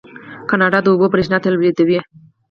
کاناډا د اوبو بریښنا تولیدوي.